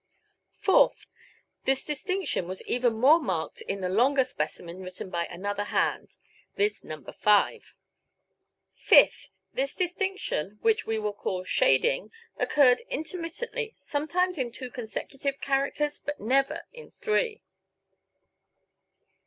Fourth: This distinction was even more marked in the longer specimen written by another hand, viz.: No. 5. Fifth: This distinction, which we will call shading, occurred intermittently, sometimes in two consecutive characters, but never in three.